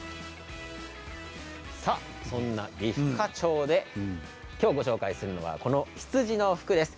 そんな美深町で今日ご紹介するのは羊の服です。